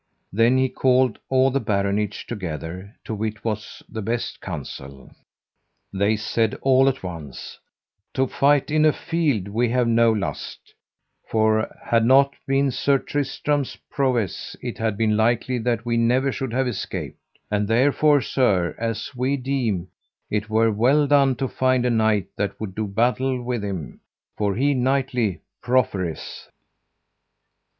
Then called he all the baronage together to wit what was the best counsel. They said all at once: To fight in a field we have no lust, for had not been Sir Tristram's prowess it had been likely that we never should have escaped; and therefore, sir, as we deem, it were well done to find a knight that would do battle with him, for he knightly proffereth.